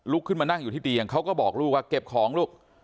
ขึ้นมานั่งอยู่ที่เตียงเขาก็บอกลูกว่าเก็บของลูก